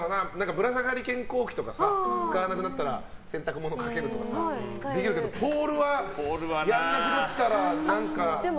ぶら下がり健康器とかは使わなくなったら洗濯物かけるとかできるけどポールはやんなくなったら使い道。